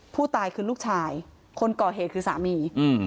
ผู้ตายคือลูกชายคนก่อเหตุคือสามี